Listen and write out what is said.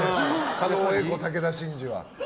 狩野英孝、武田真治は。